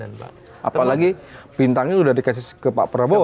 apalagi bintangnya sudah dikasih ke pak prabowo